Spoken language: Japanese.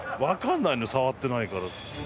わかんないのよ触ってないから。